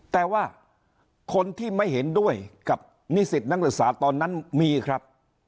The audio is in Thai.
แต่ว่าคนที่ไม่เห็นด้วยกับนิสิตนักศึกษาตอนนั้นมีครับ